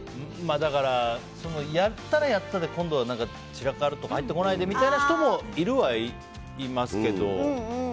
だから、やったらやったで今度は散らかるとか入ってこないで、みたいな人もいるはいますけど。